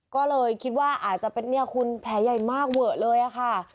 ก็เลยคิดว่าอาจจะเป็นเนี่ยคุณแผลใหญ่มากเวอะเลยอะค่ะ